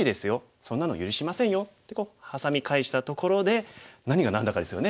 そんなの許しませんよ」ってハサミ返したところで何が何だかですよね。